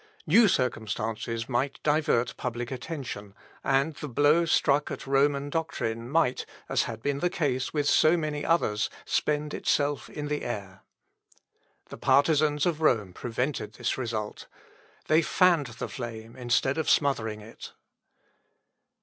New circumstances might divert public attention, and the blow struck at Roman doctrine might, as had been the case with so many others, spend itself in the air. The partisans of Rome prevented this result. They fanned the flame instead of smothering it.